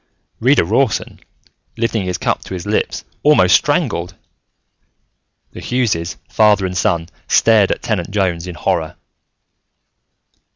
Reader Rawson, lifting his cup to his lips, almost strangled. The Hugheses, father and son stared at Tenant Jones in horror.